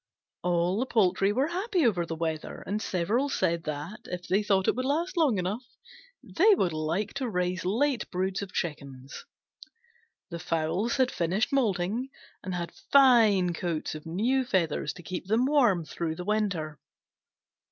All the poultry were happy over the weather, and several said that, if they thought it would last long enough, they would like to raise late broods of Chickens. The fowls had finished moulting, and had fine coats of new feathers to keep them warm through the winter.